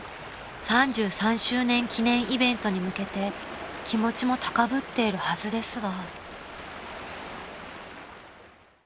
３３周年記念イベントに向けて気持ちも高ぶっているはずですが］